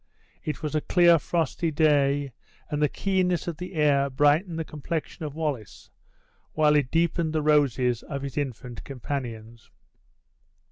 It was a clear frosty day, and the keenness of the air brightened the complexion of Wallace, while it deepened the roses of his infant companions.